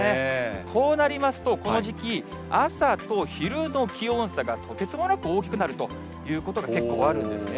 こうなりますと、この時期、朝と昼の気温差が、とてつもなく大きくなるということが結構あるんですね。